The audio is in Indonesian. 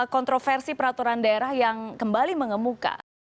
kontroversi peraturan daerah yang kembali mengemuka